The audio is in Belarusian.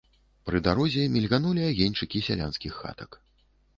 Пры дарозе мільганулі агеньчыкі сялянскіх хатак.